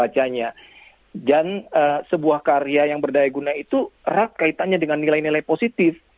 dan sebuah karya yang berdaya guna itu erat kaitannya dengan nilai nilai positif